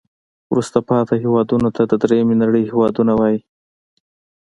وروسته پاتې هیوادونو ته د دریمې نړۍ هېوادونه وایي.